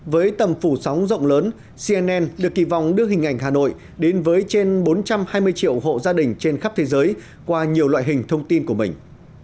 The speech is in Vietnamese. với tầm phủ sóng rộng lớn cnn được kỳ vọng đưa hình ảnh hà nội đến với trên bốn trăm hai mươi triệu hộ gia đình trên khắp thế giới qua nhiều loại hình thông tin của mình